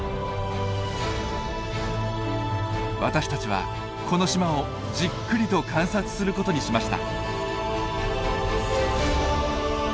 私たちはこの島をじっくりと観察することにしました。